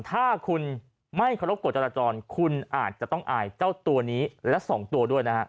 ถ้าคุณไม่เคารพกฎจราจรคุณอาจจะต้องอายเจ้าตัวนี้และ๒ตัวด้วยนะฮะ